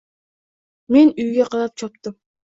Men uyga qarab chopdim